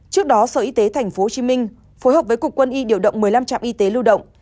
trước đó sở y tế tp hcm phối hợp với cục quân y điều động một mươi năm trạm y tế lưu động